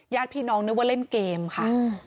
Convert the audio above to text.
ญาติพี่น้องนึกว่าเล่นเกมค่ะ